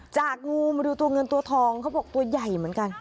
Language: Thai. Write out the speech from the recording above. งูมาดูตัวเงินตัวทองเขาบอกตัวใหญ่เหมือนกัน